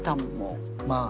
まあ。